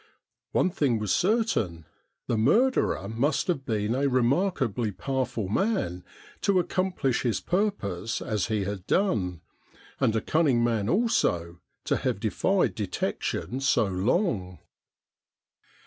One thing was certain, the murderer must have been a remarkably powerful man to accomplish his purpose as he had done, and a cunning man also to have defied detection so long.